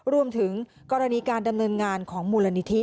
รวมถึงกรณีการดำเนินงานของมูลนิธิ